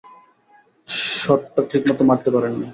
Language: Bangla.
শটটা ঠিকমত মারতে পারেননি!